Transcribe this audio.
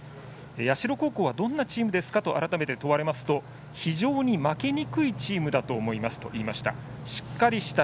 社高校はどんなチームですかと改めて問われますと非常に負けにくいチームだと思いますと言いました。